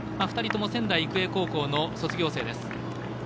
２人とも仙台育英高校の卒業生です。